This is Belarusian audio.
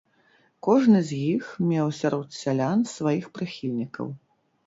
Кожны з іх меў сярод сялян сваіх прыхільнікаў.